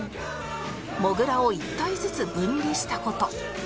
モグラを１体ずつ分離した事